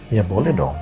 ya boleh dong